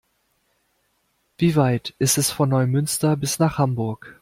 Wie weit ist es von Neumünster bis nach Hamburg?